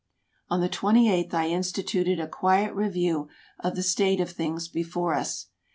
On the twenty eighth I instituted a quiet review of the state of things before us.